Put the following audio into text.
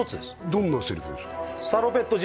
どんなセリフですか？